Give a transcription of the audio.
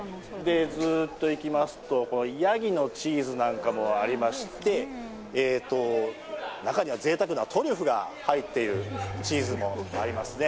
ずっと行きますとヤギのチーズなんかもありまして中にはぜいたくなトリュフが入っているチーズもありますね。